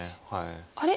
あれ？